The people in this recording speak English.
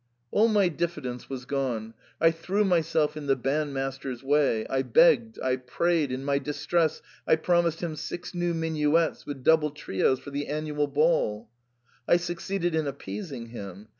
* All my diffidence was gone, — I threw myself in the bandmaster's way, I begged, I prayed, in my dis tress I promised him six new minuets with double trios for the annual ball. I succeeded in appeasing him.